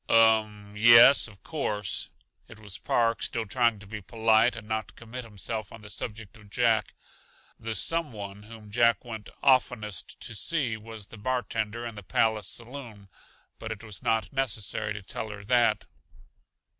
"Um m yes, of course." It was Park, still trying to be polite and not commit himself on the subject of Jack. The "some one" whom Jack went oftenest to see was the bartender in the Palace saloon, but it was not necessary to tell her that.